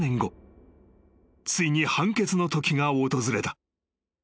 ついに判決のときが訪れた］